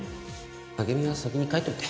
暁美は先に帰っといて。